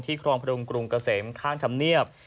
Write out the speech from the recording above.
ครองพดุงกรุงเกษมข้างธรรมเนียบ